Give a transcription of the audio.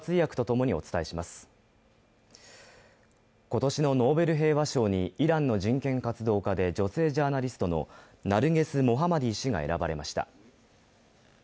今年のノーベル平和賞にイランの人権活動家で女性ジャーナリストのナルゲス・モハマディ氏が選ばれました。